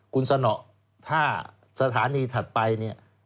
คุณสนถ้าสถานีถัดไป